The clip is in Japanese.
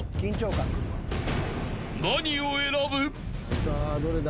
［何を選ぶ？］